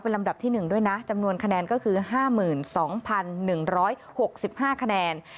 เป็นลำดับที่หนึ่งด้วยนะจำนวนคะแนนก็คือห้าหมื่นสองพันหนึ่งร้อยหกสิบห้าคะแนน